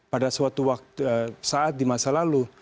pada suatu saat di masa lalu